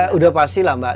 sudah pasti lah mbak